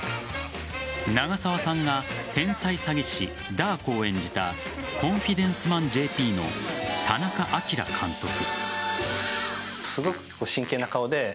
長澤さんが天才詐欺師ダー子を演じた「コンフィデンスマンＪＰ」の田中亮監督。